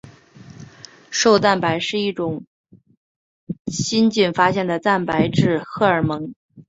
瘦蛋白是一种新近发现的蛋白质荷尔蒙。